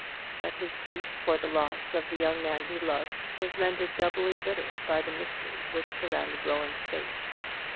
But his grief for the loss of the young man he loved was rendered doubly bitter by the mystery which surrounded Roland's fate.